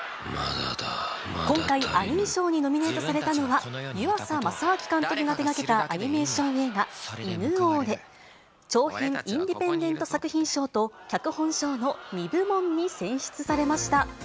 今回、アニー賞にノミネートされたのは、湯浅政明監督が手がけたアニメーション映画、犬王で、長編インディペンデント作品賞と脚本賞の２部門に選出されました。